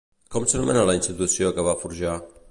Com s'anomena la institució que va forjar?